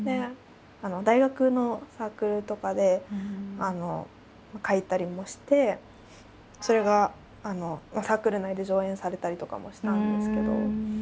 大学のサークルとかで書いたりもしてそれがサークル内で上演されたりとかもしたんですけど。